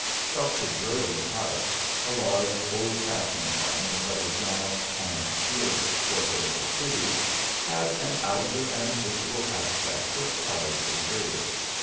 Dr. Druring's house, a large, old fashioned one in what is now an obscure quarter of the city, had an outer and visible aspect of proud reserve.